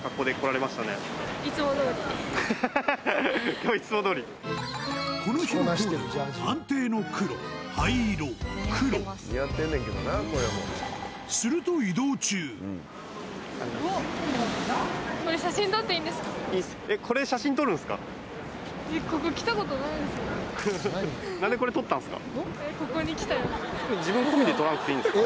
今日いつもどおりこの日のコーデは安定の黒灰色黒すると何でこれ撮ったんすか？